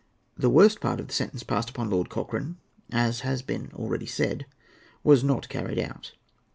The worst part of the sentence passed upon Lord Cochrane, as has been already said, was not carried out.